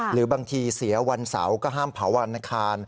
หรือบางทีเสียวันเสาร์ก็ห้ามเผาวันอังคาร